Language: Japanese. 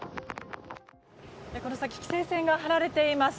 この先規制線が張られています。